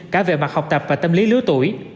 cả về mặt học tập và tâm lý lứa tuổi